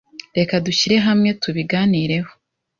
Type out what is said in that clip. Reka dushyire hamwe tubiganireho.